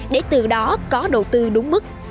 để từ đó có đầu tư đúng mức